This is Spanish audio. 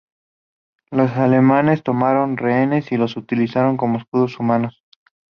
Los alemanes tomaron rehenes y los utilizaron como escudos humanos.